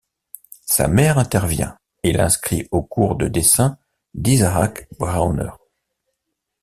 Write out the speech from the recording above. Sa mère intervient et l'inscrit aux cours de dessins d'Isaac Brauner.